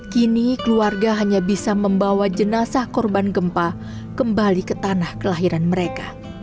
kini keluarga hanya bisa membawa jenazah korban gempa kembali ke tanah kelahiran mereka